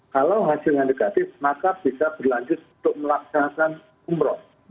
kalau hasilnya negatif maka bisa berlanjut untuk melaksanakan umroh